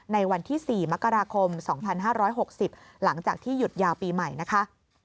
ในวันที่๔มกราคม๒๕๖๐หลังจากที่หยุดยาวปีใหม่นะคะ